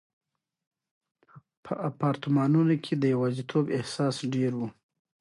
په اپارتمانونو کې د یوازیتوب احساس ډېر و.